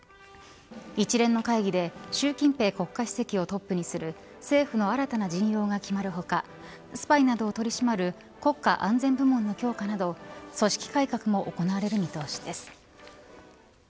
一連の会議で習近平国家主席をトップにする政府の新たな陣容が決まる他スパイなどを取り締まる国家安全部門の強化など組織改革も行われる見通しです。